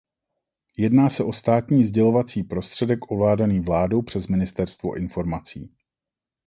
Jedná se o státní sdělovací prostředek ovládaný vládou přes ministerstvo informací.